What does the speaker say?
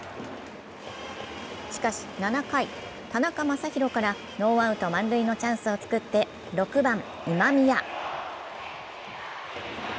しかし７回、田中将大からノーアウト満塁のチャンスを作って、６番・今宮。